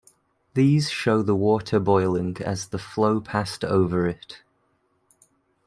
These show the water boiling as the flow passed over it.